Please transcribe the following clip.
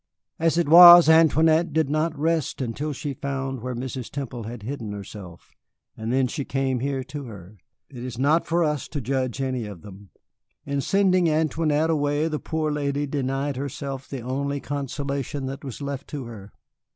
As it was, Antoinette did not rest until she found where Mrs. Temple had hidden herself, and then she came here to her. It is not for us to judge any of them. In sending Antoinette away the poor lady denied herself the only consolation that was left to her.